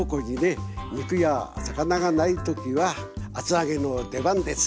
肉や魚がない時は厚揚げの出番です。